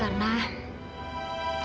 karena sekarang kamila lagi